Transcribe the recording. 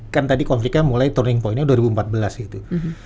kan tadi konfliknya mulai turning pointnya dua ribu empat belas gitu